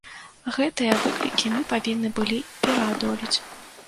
Гэтыя выклікі мы павінны былі пераадолець.